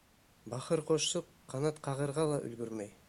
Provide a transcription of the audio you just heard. Бахыр ҡошсоҡ ҡанат ҡағырға ла өлгөрмәй.